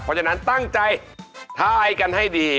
เพราะฉะนั้นตั้งใจทายกันให้ดี